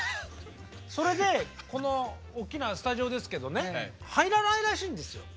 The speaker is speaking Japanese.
それでこのおっきなスタジオですけどね入らないらしいんですよ。